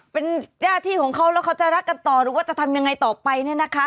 เป็นหน้าที่ของเขาแล้วเขาจะรักกันต่อหรือว่าจะทำยังไงต่อไปเนี่ยนะคะ